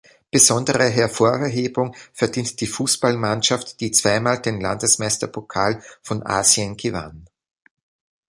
Besondere Hervorhebung verdient die Fußballmannschaft die zweimal den Landesmeisterpokal von Asien gewann.